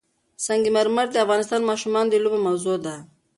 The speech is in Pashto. سنگ مرمر د افغان ماشومانو د لوبو موضوع ده.